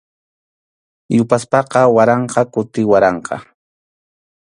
Yupaspaqa waranqa kuti waranqa.